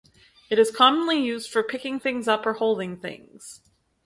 It is commonly used for picking things up or holding things.